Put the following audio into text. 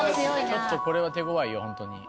ちょっとこれは手ごわいよ。